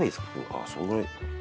ああそんぐらい。